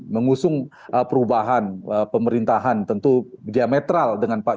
mengusung perubahan pemerintahan tentu diametral